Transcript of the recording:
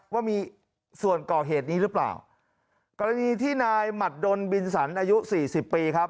ว่ามีส่วนก่อเหตุนี้หรือเปล่ากรณีที่นายหมัดดนบินสันอายุสี่สิบปีครับ